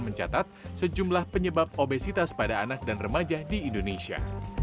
mencatat sejumlah penyebab obesitas pada anak dan remaja di indonesia